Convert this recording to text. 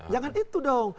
jangan itu dong